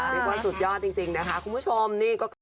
คือว่าสุดยอดจริงจริงนะคะคุณผู้ชมนี่ก็